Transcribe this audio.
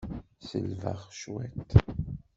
Selbeɣ cwiṭ.